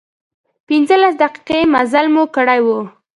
پنځلس دقيقې مزل مو کړی و.